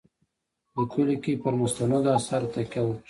لیکلو کې پر مستندو آثارو تکیه وکړي.